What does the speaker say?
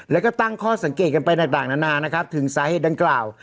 แล้วก็ตั้งข้อสังเกตกันไปต่างนานานะครับถึงสาเหตุดังกล่าว